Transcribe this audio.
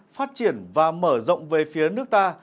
phát triển và mở rộng về phía nước ta